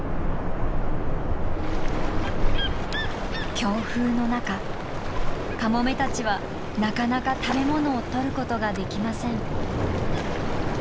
強風の中カモメたちはなかなか食べ物をとることができません。